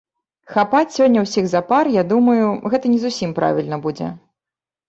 Хапаць сёння ўсіх запар, я думаю, гэта не зусім правільна будзе.